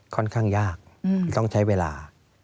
ค่อนข้างยากต้องใช้เวลา